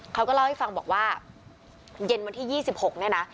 เขาก็เล่าให้ฟังบอกว่าเย็นวันที่๒๖เนี่ยนะ